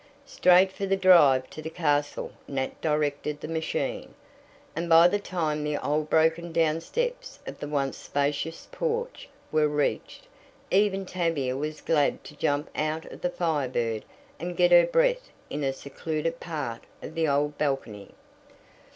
Straight for the drive to the castle Nat directed the machine, and by the time the old broken down steps of the once spacious porch were reached, even Tavia was glad to jump out of the Fire Bird and get her breath in a secluded part of the old balcony.